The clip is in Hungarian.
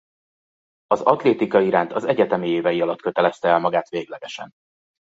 Az atlétika iránt az egyetemi évei alatt kötelezte el magát véglegesen.